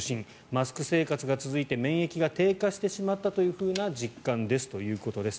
マスク生活が続いて免疫が低下してしまったというふうな実感ですということです。